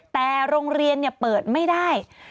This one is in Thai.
แต่โรงเรียนเปิดไม่ได้